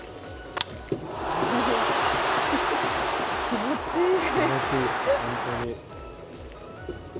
気持ちいい。